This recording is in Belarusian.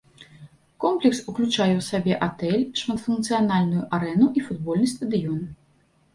Комплекс уключае ў сябе атэль, шматфункцыянальную арэну і футбольны стадыён.